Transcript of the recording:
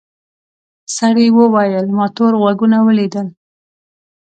سړي وویل ما تور غوږونه ولیدل.